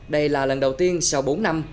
đây là lần đầu tiên sau bốn năm